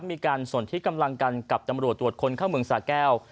มีการสนที่กำลังกันกับตำรวจตรวจคนเข้าเมืองสาแก้ว